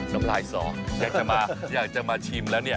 น้ำลายส่อยังจะมาชิมแล้วเนี่ย